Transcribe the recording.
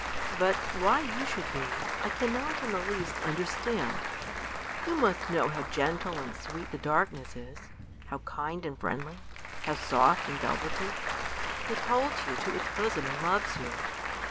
But why you should be, I can not in the least understand. You must know how gentle and sweet the darkness is, how kind and friendly, how soft and velvety! It holds you to its bosom and loves you.